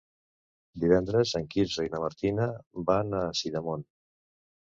Divendres en Quirze i na Martina van a Sidamon.